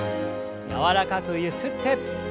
柔らかくゆすって。